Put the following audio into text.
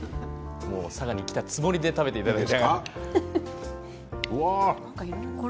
佐賀に来たつもりで食べてください。